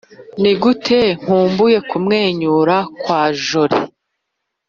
nigute nkumbuye kumwenyura kwa jolly